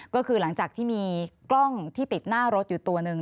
ก็คือหลังจากที่มีกล้องที่ติดหน้ารถอยู่ตัวหนึ่ง